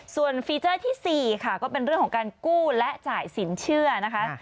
ส่วนฟีเจอร์ที่๔ค่ะก็เป็นเรื่องของการกู้และจ่ายสินเชื่อนะคะ